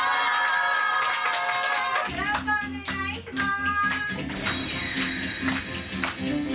よろしくお願いします。